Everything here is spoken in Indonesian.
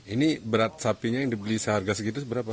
ini berat sapinya yang dibeli seharga segitu berapa